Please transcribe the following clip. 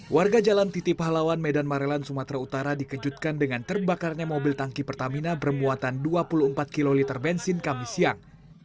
warga jalan titi pahlawan medan marelan sumatera utara dikejutkan dengan terbakarnya mobil tangki pertamina bermuatan dua puluh empat kiloliter bensin kami siang